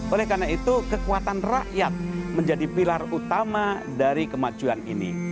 oleh karena itu kekuatan rakyat menjadi pilar utama dari kemajuan ini